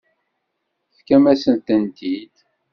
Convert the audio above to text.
Tefkam-asen-tent-id.